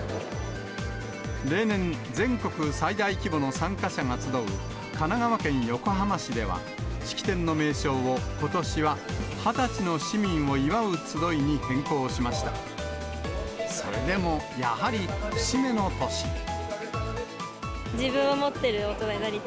例年、全国最大規模の参加者が集う神奈川県横浜市では、式典の名称をことしは、二十歳の市民を祝うつどいに変更しました。